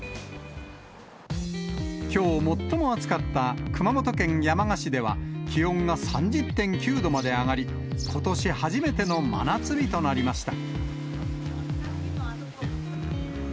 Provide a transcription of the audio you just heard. きょう、最も暑かった熊本県山鹿市では気温が３０．９度まで上がり、ことし初めての真夏日となりました。